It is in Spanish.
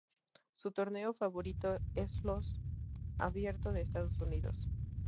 Su torneo favorito es los Abierto de Estados Unidos.